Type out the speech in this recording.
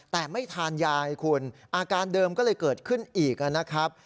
แต่ไม่ทานยายคุณอาการเดิมก็เลยเกิดขึ้นอีกนะครับ